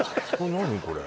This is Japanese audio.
何これ？